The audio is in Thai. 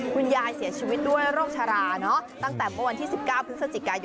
คุณยายเสียชีวิตด้วยโรคชราเนอะ